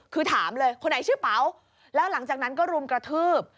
คือถามเลยคนไหนชื่อเป๋าแล้วหลังจากนั้นก็รุมกระทืบ